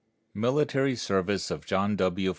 MILITARY SERVICE OF JOHN W.